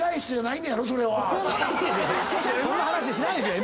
そんな話しないでしょ！